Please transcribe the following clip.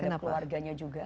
terhadap keluarganya juga